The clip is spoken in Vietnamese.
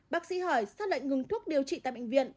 bác sĩ hỏi xác lệnh ngừng thuốc điều trị tại bệnh viện